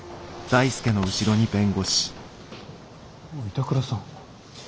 板倉さん。